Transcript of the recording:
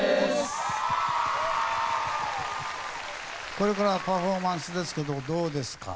これからパフォーマンスですけどどうですか？